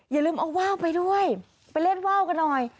อย่าลืมเอาว่าวไปด้วยไปเล่นว่าวกันหน่อย